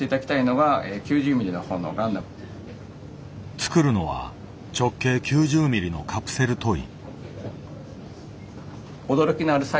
作るのは直径９０ミリのカプセルトイ。